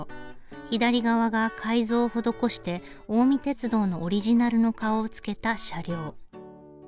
左側が改造を施して近江鉄道のオリジナルの顔を付けた車両。